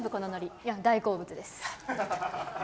いや、大好物です。